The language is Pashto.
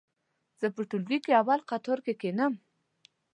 زه په ټولګي کې اول قطور کې کېنم.